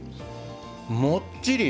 もっちり！